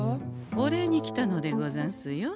お礼に来たのでござんすよ。